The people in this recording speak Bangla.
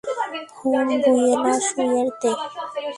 হুম বুয়েনা সুয়ের্তে।